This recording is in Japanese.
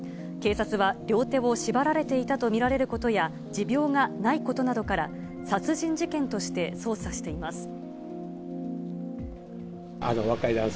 警察は両手を縛られていたと見られることや、持病がないことなどから、殺人事件として捜査しています。